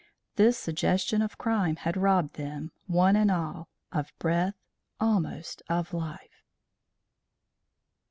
This suggestion of crime had robbed them, one and all, of breath, almost of life.